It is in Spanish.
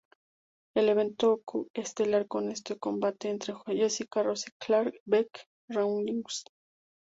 El evento co-estelar contó con un combate entre Jessica Rose-Clark y Bec Rawlings.